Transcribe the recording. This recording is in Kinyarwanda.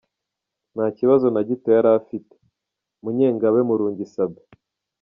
Ntakibazo na gito yari afite !» Munyengabe Murungi Sabin.